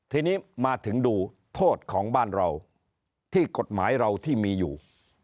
ทีนี้มาถึงดูโทษของบ้านเราที่กฎหมายเราที่มีอยู่